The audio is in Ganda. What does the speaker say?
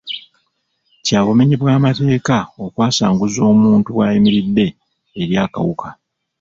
Kya bumenyi bw'amateeka okwasanguza omuntu bw'ayimiridde eri akawuka.